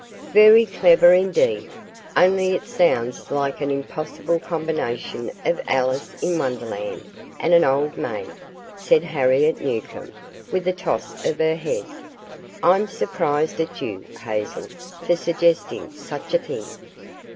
"Very clever, indeed, only it sounds like an impossible combination of Alice in Wonderland and an old maid," said Harriet Newcomb, with a toss of her head. "I'm surprised at you, Hazel, for suggesting such a thing.